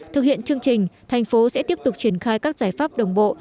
thực hiện chương trình thành phố sẽ tiếp tục triển khai các giải pháp đồng bộ